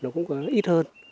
nó cũng có ít hơn